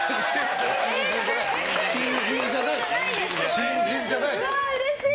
新人じゃない！